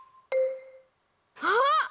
あっ！